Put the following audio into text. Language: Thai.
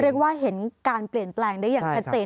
เรียกว่าเห็นการเปลี่ยนแปลงได้อย่างชัดเจน